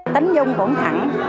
tính dung cũng thẳng